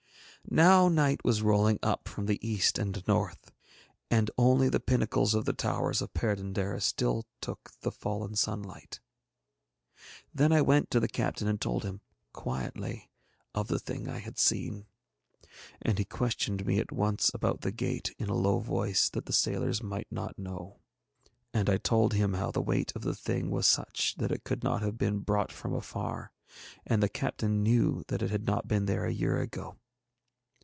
Now night was rolling up from the East and North, and only the pinnacles of the towers of Perd├│ndaris still took the fallen sunlight. Then I went to the captain and told him quietly of the thing I had seen. And he questioned me at once about the gate, in a low voice, that the sailors might not know; and I told him how the weight of the thing was such that it could not have been brought from afar, and the captain knew that it had not been there a year ago.